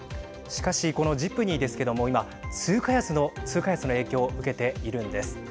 しかしこのジプニーですけども今、通貨安の影響を受けているんです。